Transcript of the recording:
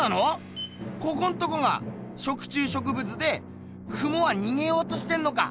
ここんとこが食虫植物でクモはにげようとしてんのか？